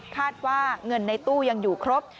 คาดว่าเงินในตู้ยังอยู่ครบ